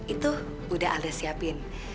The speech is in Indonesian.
itu udah alda siapin